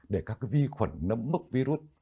để các vi khuẩn nấm mức virus